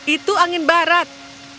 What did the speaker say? itu angin barat